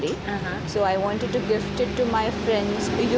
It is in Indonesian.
jadi saya ingin memberikannya kepada teman teman saya